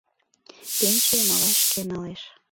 Пенсийым авай шке налеш.